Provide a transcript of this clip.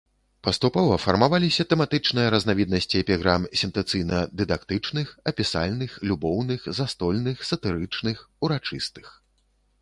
Паступова фармаваліся тэматычныя разнавіднасці эпіграм сентэнцыйна-дыдактычных, апісальных, любоўных, застольных, сатырычных, урачыстых.